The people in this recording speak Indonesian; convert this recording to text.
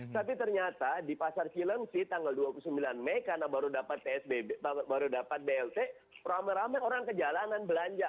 tapi ternyata di pasar film sih tanggal dua puluh sembilan mei karena baru dapat psbb baru dapat blt rame rame orang kejalanan belanja